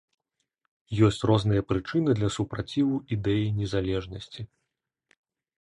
Ёсць розныя прычыны для супраціву ідэі незалежнасці.